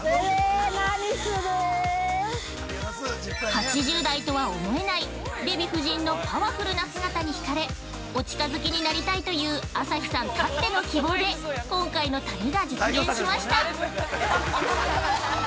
８０代とは思えないデヴィ夫人のパワフルな姿にひかれお近づきになりたいという朝日さんたっての希望で今回の旅が実現しました。